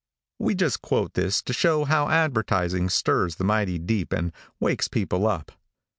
We just quote this to show how advertising stirs the mighty deep and wakes people up.